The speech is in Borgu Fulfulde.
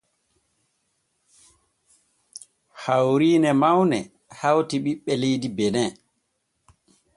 Hawriine mawne hawti ɓiɓɓe leydi benin.